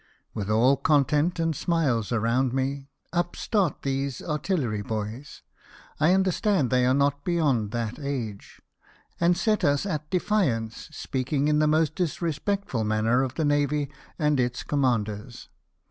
" With all content and smiles around me, up start these artillery boys (I understand they are not beyond that age), and set us at defiance, speaking in the most disrespectful manner of the navy and its commanders.